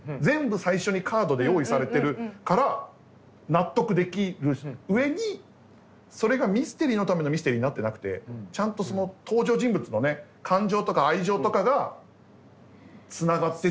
全部最初にカードで用意されてるから納得できる上にそれがミステリーのためのミステリーになってなくてちゃんとその登場人物の感情とか愛情とかがつながっていってっていう。